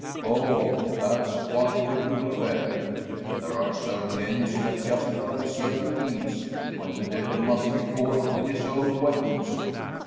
"All! that's quite a different affair! There are certain ends that justify certain means when the Devil must be fought with his own weapons.